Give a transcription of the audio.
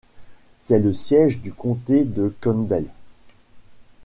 C’est le siège du comté de Campbell.